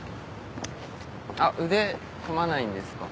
あっ腕組まないんですか？